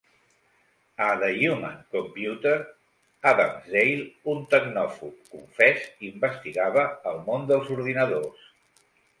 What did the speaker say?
A "The Human Computer", Adamsdale, un tecnòfob confés, investigava el món dels ordinadors.